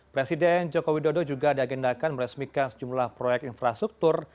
presiden jokowi dodo juga ada agendakan meresmikan sejumlah proyek infrastruktur